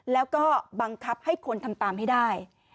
แล้วก็บังคับให้คนทำตามให้ได้